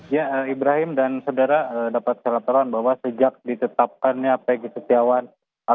ya ibrahim dan saudara dapat keterangan bahwa sejak ditetapkannya peggy istiawan alias perong alias robi rawan sebagai tersangka utama